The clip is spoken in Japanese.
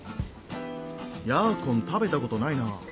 ヤーコン食べたことないなあ。